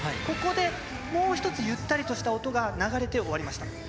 ここでもう一つ、ゆったりとした音が流れて終わりました。